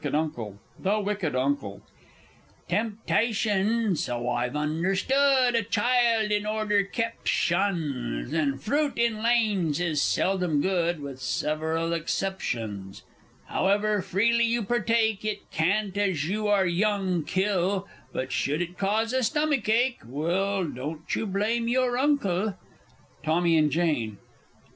U. The W. U. Temptation (so I've understood) A child, in order kept, shuns; And fruit in lanes is seldom good (With several exceptions). However freely you partake, It can't as you are young kill, But should it cause a stomach ache Well, don't you blame your Uncle! _Tommy and Jane.